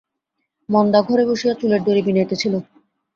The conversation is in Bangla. মন্দা ঘরে বসিয়া চুলের দড়ি বিনাইতেছিল।